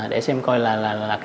để xem coi là